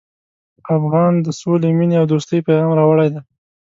افغان د سولې، مینې او دوستۍ پیغام راوړی دی.